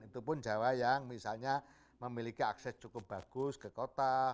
itu pun jawa yang misalnya memiliki akses cukup bagus ke kota